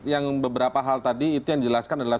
yang beberapa hal tadi itu yang dijelaskan adalah